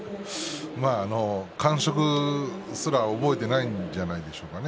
感触すら覚えていないんじゃないでしょうかね